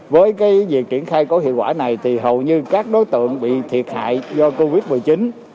với việc triển khai có hiệu quả này thì hầu như các đối tượng bị thiệt hại do covid một mươi chín